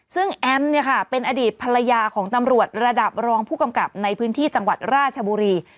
ซึ่งแอมเป็นอดีตภรรยาของตำรวจระดับรองผู้กำกับในพื้นที่จังหวัดราชบุรี